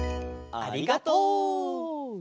ありがとう！